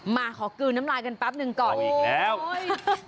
มาขอกลืนน้ำลายกันแป๊บหนึ่งก่อนอีกแล้ว